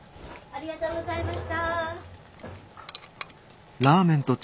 ありがとうございます。